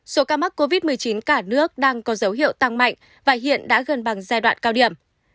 số ca mắc covid một mươi chín cả nước đang có dấu hiệu tăng mạnh và hiện đã gần bằng giai đoạn cao điểm